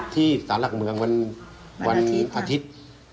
ที่สารหลักเมืองวันอาทิตย์